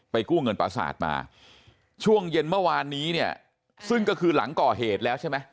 กู้เงินประสาทมาช่วงเย็นเมื่อวานนี้เนี่ยซึ่งก็คือหลังก่อเหตุแล้วใช่ไหม